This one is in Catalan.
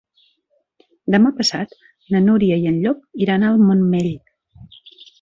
Demà passat na Núria i en Llop iran al Montmell.